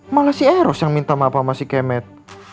malah si eros yang minta maaf sama si kemet